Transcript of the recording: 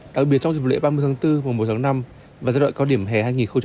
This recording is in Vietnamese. đặc biệt trong dịp lễ ba mươi tháng bốn mùa một tháng năm và giai đoạn cao điểm hè hai nghìn hai mươi bốn